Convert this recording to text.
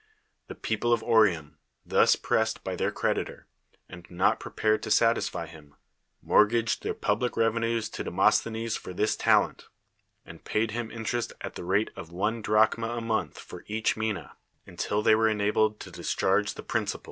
The people of Oreum, thus pressed by their creditor, and not prepared to satisfy him, mortgaged their publif' revenues to Demosthenes for this talent, and paid him interest at the rate of one drachma a month for each mina, until they were enabled to discharge the principal.